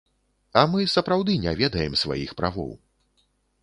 А мы сапраўды не ведаем сваіх правоў.